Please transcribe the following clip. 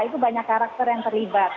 itu banyak karakter yang terlibat